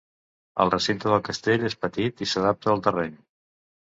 El recinte del castell és petit i s'adapta al terreny.